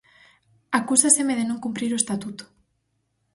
Acúsaseme de non cumprir o Estatuto.